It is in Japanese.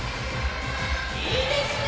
いいですね